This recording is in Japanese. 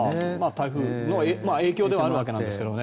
台風の影響ではあるわけなんですがね。